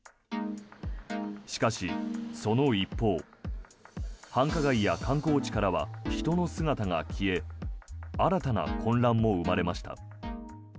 しかし、その一方繁華街や観光地からは人の姿が消え新たな混乱も生まれました。